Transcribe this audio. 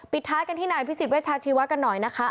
ท้ายกันที่นายพิสิทธเวชาชีวะกันหน่อยนะคะ